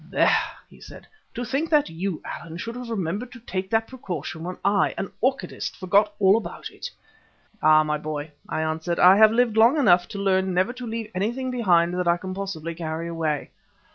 "There!" he said. "To think that you, Allan, should have remembered to take that precaution when I, an orchidist, forgot all about it!" "Ah! my boy," I answered, "I have lived long enough to learn never to leave anything behind that I can possibly carry away.